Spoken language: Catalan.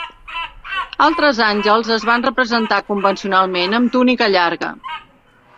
Altres àngels es van representar convencionalment amb túnica llarga.